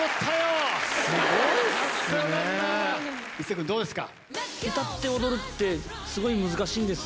君どうですか？